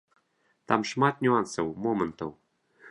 Там шмат нюансаў, момантаў.